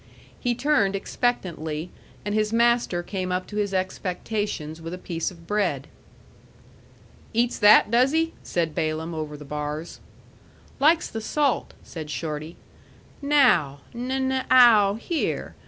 He turned expectantly, and his master came up to his expectations with a piece of bread. "Eats that, does he?" said Balaam, over the bars. "Likes the salt," said Shorty. "Now, n n ow, here!